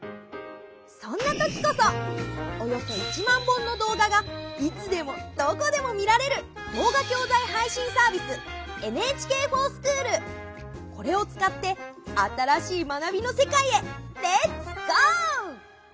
そんな時こそおよそ１万本の動画がいつでもどこでも見られるこれを使って新しい学びの世界へレッツゴー！